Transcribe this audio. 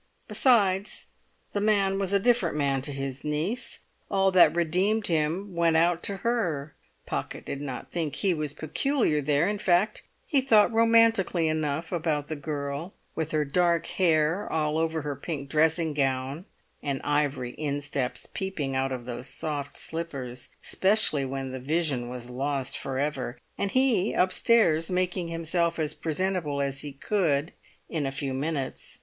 Besides, the man was a different man to his niece; all that redeemed him went out to her. Pocket did not think he was peculiar there; in fact, he thought romantically enough about the girl, with her dark hair all over her pink dressing gown, and ivory insteps peeping out of those soft slippers especially when the vision was lost for ever, and he upstairs making himself as presentable as he could in a few minutes.